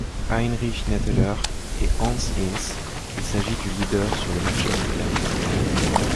Heinrich Netheler et Hans Hinz, il s'agit du leader sur le marché mondial.